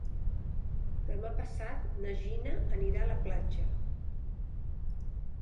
Demà passat na Gina anirà a la platja.